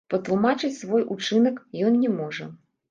Патлумачыць свой учынак ён не можа.